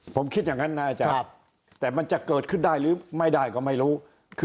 ผมคิดอย่างนั้นนะอาจารย์แต่มันจะเกิดขึ้นได้หรือไม่ได้ก็ไม่รู้